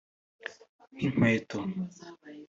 nk’inkweto